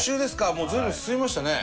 もう随分進みましたねえ。